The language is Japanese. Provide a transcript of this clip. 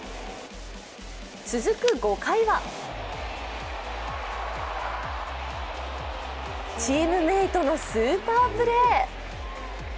続く５回はチームメートのスーパープレー。